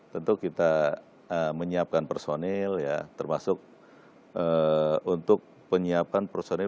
tentu kita menyiapkan personil ya termasuk untuk penyiapan personil